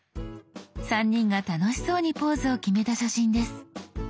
３人が楽しそうにポーズを決めた写真です。